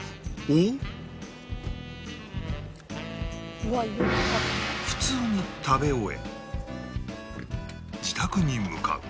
を普通に食べ終え自宅に向かう